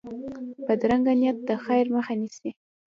بدرنګه نیت د خیر مخه نیسي